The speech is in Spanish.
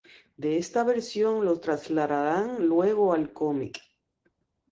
De esta versión lo trasladaron luego al cómic.